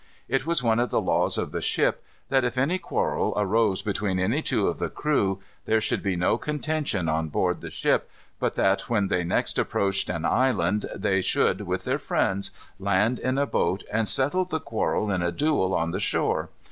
It was one of the laws of the ship, that if any quarrel arose between any two of the crew, there should be no contention on board the ship, but that when they next approached an island, they should, with their friends, land in a boat, and settle the quarrel in a duel on the shore.